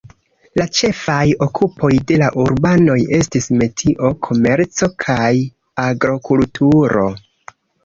La ĉefaj okupoj de la urbanoj estis metio, komerco kaj agrokulturo.